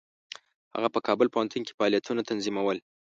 هغه په کابل پوهنتون کې فعالیتونه تنظیمول.